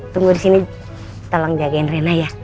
tunggu di sini tolong jagain rena ya